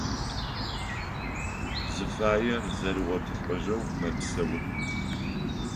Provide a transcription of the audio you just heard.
Зыфаер зэригъотылӏэжьэу мэпсэу.